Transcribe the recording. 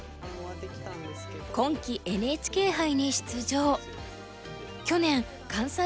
今期ＮＨＫ杯に出場。